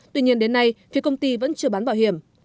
tuy nhiên đến nay phía công ty vẫn chưa bán bảo hiểm